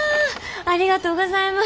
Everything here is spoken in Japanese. ありがとうございます。